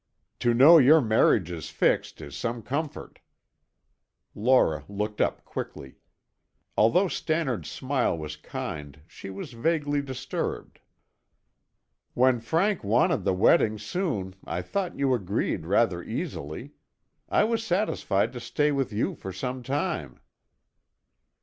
To know your marriage is fixed is some comfort." Laura looked up quickly. Although Stannard's smile was kind, she was vaguely disturbed. "When Frank wanted the wedding soon I thought you agreed rather easily. I was satisfied to stay with you for some time."